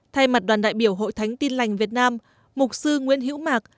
thay mặt đoàn đại biểu hội thánh tin lành việt nam mục sư nguyễn hữu mạc